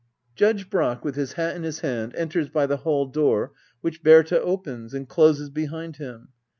Judge Brack, with his hat in his hand, enters hy the hall door, which Berta opens, and closes behind him.